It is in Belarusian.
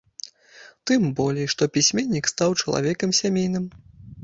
Тым болей, што пісьменнік стаў чалавекам сямейным.